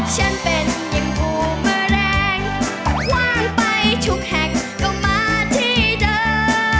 ฉันเป็นยังภูมิแรงว่างไปทุกแห่งกลับมาที่เดิม